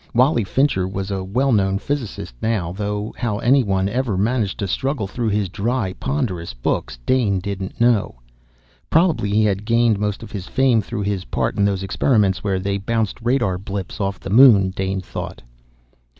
Wally Fincher was a well known physicist now, though how anyone ever managed to struggle through his dry ponderous books Dane didn't know. Probably he had gained most of his fame through his part in those experiments where they bounced radar blips off the moon, Dane thought.